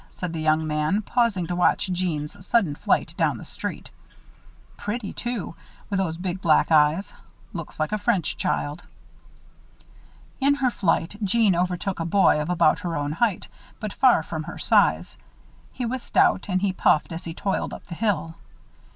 said the young man, pausing to watch Jeanne's sudden flight down the street. "Pretty, too, with those big black eyes. Looks like a French child." In her flight, Jeanne overtook a boy of about her own height, but far from her own size. He was stout and he puffed as he toiled up the hill.